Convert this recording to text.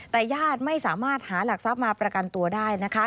แต่ญาติไม่สามารถหาหลักทรัพย์มาประกันตัวได้นะคะ